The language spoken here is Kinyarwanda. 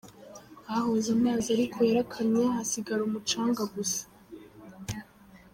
Hahoze amazi ariko yarakamye hasigara umucanga gusa.